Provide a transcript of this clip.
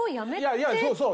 いやいやそうそう！